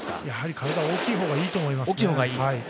やはり体は大きいほうがいいと思います。